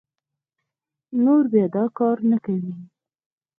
نور بيا دا کار نه کوي